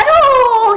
gue juga bingung